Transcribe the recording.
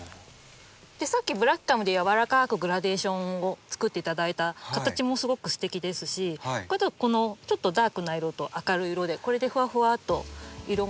さっきブラキカムでやわらかくグラデーションを作って頂いた形もすごくすてきですしこのちょっとダークな色と明るい色でこれでふわふわっと色もつなぎつつってまたちょっと雰囲気が。